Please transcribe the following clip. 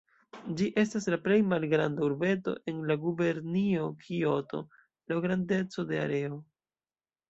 Ĝi estas la plej malgranda urbeto en la gubernio Kioto laŭ grandeco de areo.